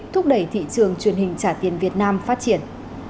thúc đẩy thị trường truyền hình trả tiền việt nam phát triển